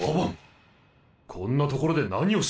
こんな所で何をしている？